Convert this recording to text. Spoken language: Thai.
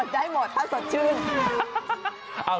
ได้หมดถ้าสดชื่น